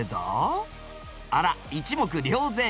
あら一目瞭然！